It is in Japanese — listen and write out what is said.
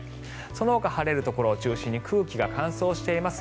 そのほか晴れるところを中心に空気が乾燥しています。